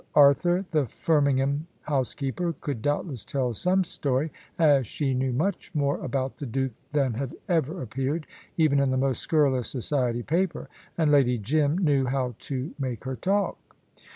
Arthur, the Firmingham housekeeper, could doubtless tell some story, as she knew much more about the Duke than had ever appeared, even in the most scurrilous society paper. And Lady Jim knew how to make her talk.